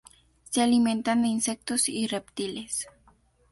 Se alimentan de insectos y reptiles.